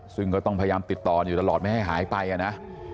ซึ่งก็ต้องพยายามติดต่ออยู่ตลอดไม่ให้หายไปนะ